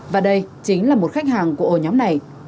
và đây chính là một khách hàng của ổ nhóm này